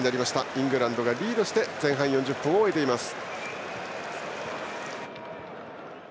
イングランドがリードして前半４０分を終えています。